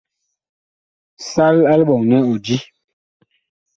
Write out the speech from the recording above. Sal a liɓɔŋ nɛ ɔ di.